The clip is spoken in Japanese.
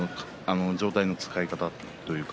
上体の使い方というか。